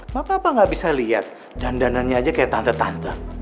mapa gak bisa liat dandanannya aja kayak tante tante